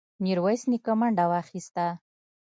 ميرويس نيکه منډه واخيسته.